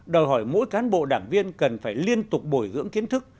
đòi hỏi mỗi cán bộ đảng viên cần phải liên tục bồi dưỡng kiến thức